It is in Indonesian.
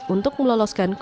untuk meloloskan kepentingan